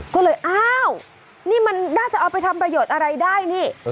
ก็เลยอ้าวนี่มันน่าจะเอาไปทำประโยชน์อะไรได้นี่